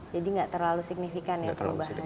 jadi gak terlalu signifikan ya perubahannya untuk ini